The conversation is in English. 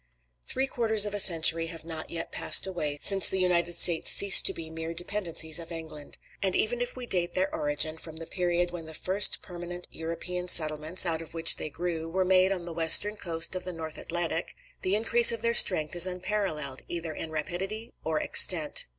Three quarters of a century have not yet passed away since the United States ceased to be mere dependencies of England. And even if we date their origin from the period when the first permanent European settlements, out of which they grew, were made on the western coast of the North Atlantic, the increase of their strength is unparalleled, either in rapidity or extent.